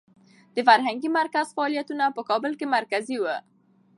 د فرهنګي مرکز فعالیتونه په کابل کې مرکزي و.